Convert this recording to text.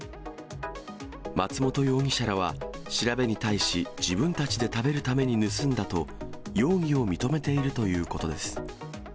松本容疑者らは調べに対し、自分たちで食べるために盗んだと、容疑を認めているということです。